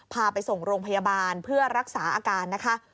พาไปส่งโรงพยาบาลเพื่อรักษาอาการนะคะ